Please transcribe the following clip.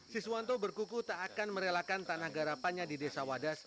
siswanto berkuku tak akan merelakan tanah garapannya di desa wadas